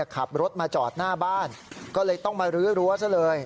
ขับรถมาจอดหน้าบ้านก็เลยต้องมารื้อรั้วซะเลย